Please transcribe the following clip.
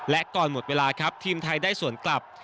และก่อนหมดเวลาครับทีมไทยได้ส่วนกลับ